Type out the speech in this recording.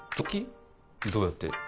どうやって？